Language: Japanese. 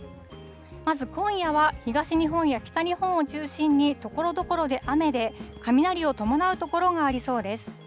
まず、今夜は東日本や北日本を中心に、ところどころで雨で、雷を伴う所がありそうです。